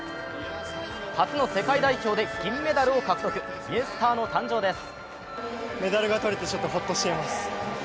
初の世界代表で銀メダルを獲得ニュースターの誕生です。